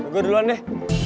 gue duluan deh